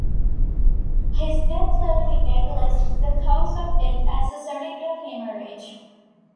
His death certificate lists the cause of death as a cerebral hemorrhage.